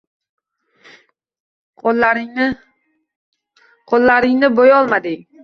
Qo’llaringni bo’yolmading